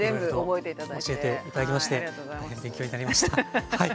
いろいろと教えて頂きまして大変勉強になりました。